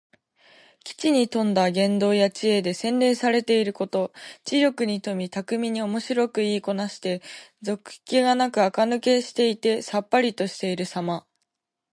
機知に富んだ言動や知恵で、洗練されていること。知力に富み、巧みにおもしろく言いこなして、俗気がなくあかぬけしていてさっぱりとしているさま。